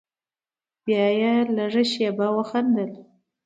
بيا يې لږه شېبه وخندل.